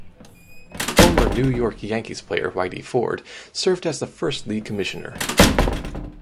Former New York Yankees player Whitey Ford served as the first league commissioner.